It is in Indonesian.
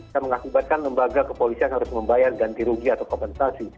yang mengakibatkan lembaga kepolisian harus membayar ganti rugi atau kompensasi